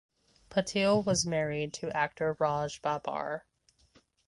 Patil was married to actor Raj Babbar.